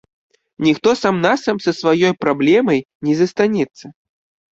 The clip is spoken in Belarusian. Ніхто сам-насам са сваёй праблемай не застанецца.